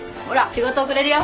仕事遅れるよ。